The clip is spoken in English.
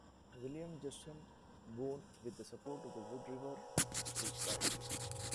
William Judson Boone with the support of the Wood River Presbytery.